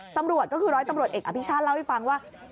ตำรวจก็คือร้อยตำรวจเอกอภิชาติเล่าให้ฟังว่า